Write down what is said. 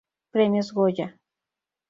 Premios Goya